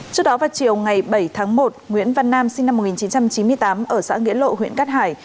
trước đó vào chiều ngày bảy tháng một nguyễn văn nam sinh năm một nghìn chín trăm chín mươi tám ở xã nghĩa lộ huyện cát hải